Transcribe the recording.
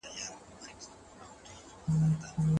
یوازي نېک اعمال به ستاسو ملګري وي.